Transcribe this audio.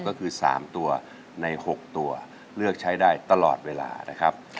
ก็คือ๓ตัวใน๖ตัวเลือกใช้ได้ตลอดเวลานะครับ